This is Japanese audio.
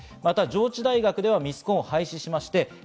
上智大学ではミスコンを廃止しました。